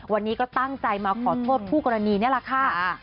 วันนี้ก็ตั้งใจมาขอโทษคู่กรณีนี่แหละค่ะ